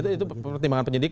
itu pertimbangan penyidik